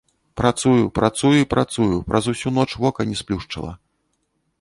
Працую, працую і працую, праз усю ноч вока не сплюшчыла.